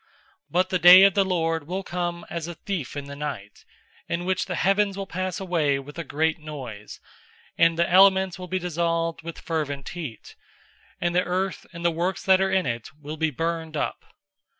003:010 But the day of the Lord will come as a thief in the night; in which the heavens will pass away with a great noise, and the elements will be dissolved with fervent heat, and the earth and the works that are in it will be burned up.